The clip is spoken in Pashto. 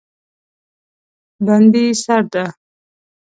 بندي سرده